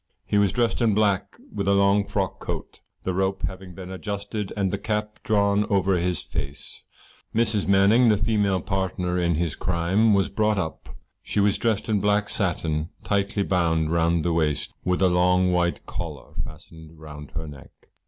He was dressed in deep black, with a long frock coat. The rope having been adjusted and the cap drawn over his face, Mrs. Manning, the female partner in his crime was brought up. She was dressed in black satin, tightly bound round the waist, with a long white collar fastened round her neck.